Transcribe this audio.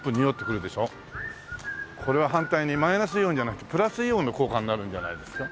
これは反対にマイナスイオンじゃなくプラスイオンの効果になるんじゃないですか？